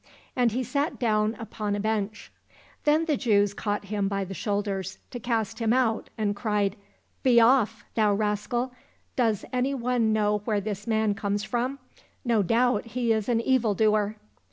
And he sat down upon a bench. Then the Jews caught him by the shoulders to cast him out and cried, " Be oif, thou rascal ! Does any one know where this man comes from ? No doubt he is an evil doer."